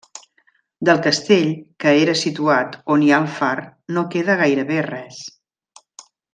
Del castell, que era situat on hi ha el far, no queda gairebé res.